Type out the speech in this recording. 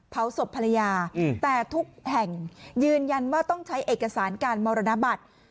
เผาศพภรรยาแต่ทุกแห่งยืนยันว่าต้องใช้เอกสารการมรณบัตร